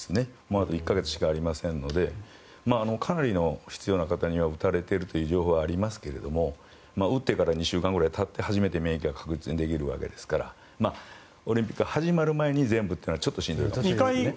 あと１か月しかありませんのでかなりの必要な方には打たれてるという情報はありますけれど打ってから２週間ぐらいたって初めて免疫が確実にできるわけですからオリンピック始まる前に全部というのはちょっとしんどいですね。